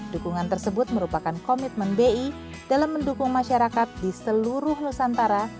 dukungan tersebut merupakan komitmen bi dalam mendukung masyarakat di seluruh nusantara